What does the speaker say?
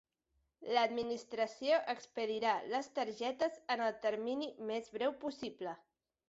L'administració expedirà les targetes en el termini més breu possible.